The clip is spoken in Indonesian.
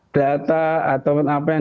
data atau apa yang